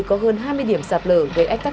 có hơn hai mươi điểm sạt lở gây ách tắc